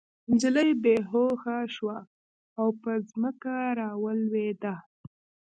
نجلۍ بې هوښه شوه او په ځمکه راولوېده